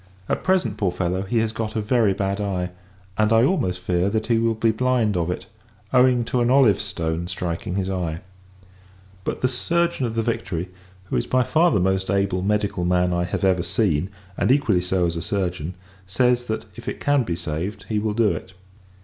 At present, poor fellow, he has got a very bad eye and, I almost fear, that he will be blind of it owing to an olive stone striking his eye: but the surgeon of the Victory, who is by far the most able medical man I have ever seen, and equally so as a surgeon, [says] that, if it can be saved, he will do it.